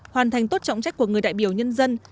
hoàn thành tốt trọng trách của người đại biểu nhân dân